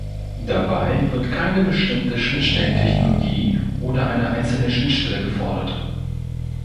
Dabei wird keine bestimmte Schnittstellentechnologie oder eine einzelne Schnittstelle gefordert.